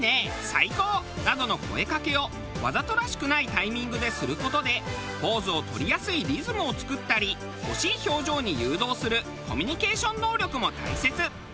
「最高！」などの声かけをわざとらしくないタイミングでする事でポーズをとりやすいリズムを作ったり欲しい表情に誘導するコミュニケーション能力も大切。